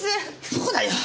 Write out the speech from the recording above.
そうだよ。